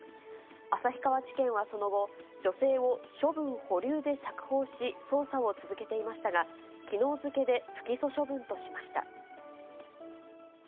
旭川地検はその後、女性を処分保留で釈放し、捜査を続けていましたが、きのう付けで不起訴処分としました。